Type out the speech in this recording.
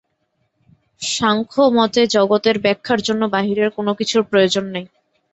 সাংখ্যমতে জগতের ব্যাখ্যার জন্য বাহিরের কোনকিছুর প্রয়োজন নাই।